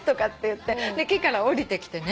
木から下りてきてね。